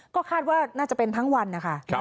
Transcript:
ก็คาดว่าน่าจะเป็นทั้งวันนะคะ